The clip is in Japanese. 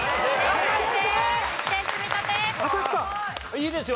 いいですよ。